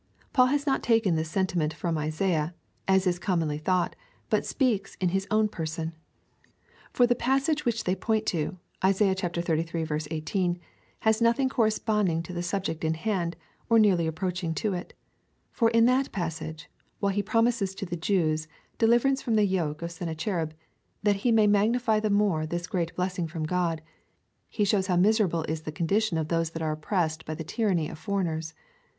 Paul has not taken this sentiment from Isaiah, as is commonly thought, but speaks in his own person. For the passage which they point to (Isaiah xxxiii. 18) has nothing corresj)onding to the subject in hand, or nearly approaching to it. For in that passage, while he promises to the Jews deliverance from the yoke of Senna cherib, that he may magnify the more this great blessing from God, he shows how miserable is the condition of those that are opjjressed by the tyranny of foreigners.